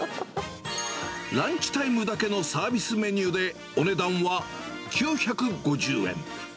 ランチタイムだけのサービスメニューで、お値段は９５０円。